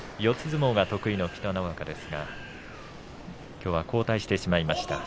相撲が得意の北の若ですがきょうは後退してしまいました。